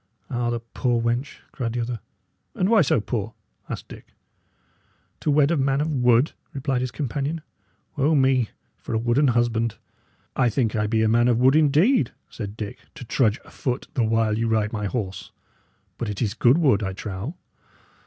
"Ah, the poor wench!" cried the other. "And why so poor?" asked Dick. "To wed a man of wood," replied his companion. "O me, for a wooden husband!" "I think I be a man of wood, indeed," said Dick, "to trudge afoot the while you ride my horse; but it is good wood, I trow."